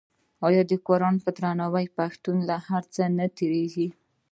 آیا د قران په درناوي پښتون له هر څه نه تیریږي؟